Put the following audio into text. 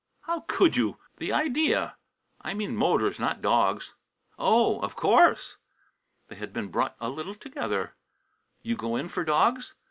"How could you? The idea!" "I mean motors, not dogs." "Oh! Of course!" They had been brought a little together. "You go in for dogs?"